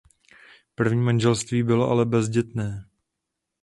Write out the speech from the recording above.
První manželství bylo ale bezdětné.